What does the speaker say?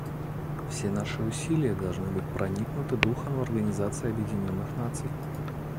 Все наши усилия должны быть проникнуты духом Организации Объединенных Наций.